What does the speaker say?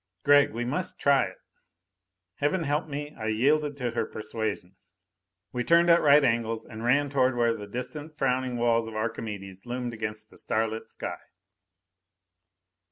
"Gregg, we must try it." Heaven help me, I yielded to her persuasion! We turned at right angles and ran toward where the distant frowning walls of Archimedes loomed against the starlit sky.